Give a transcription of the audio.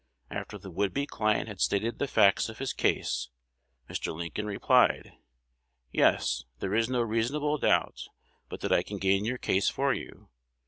After the would be client had stated the facts of his case, Mr. Lincoln replied, "Yes, there is no reasonable doubt but that I can gain your case for you.